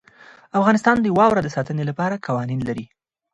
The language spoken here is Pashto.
افغانستان د واوره د ساتنې لپاره قوانین لري.